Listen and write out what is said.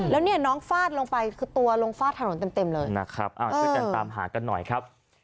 แล้วเนี่ยน้องฟาดลงไปคือตัวลงฟาดถนนเต็มเลยนะครับช่วยกันตามหากันหน่อยครับ